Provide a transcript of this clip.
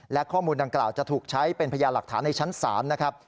และข้อมูลดังกล่าวจะถูกใช้เป็นพยานหลักฐานในชั้นศาลนะครับ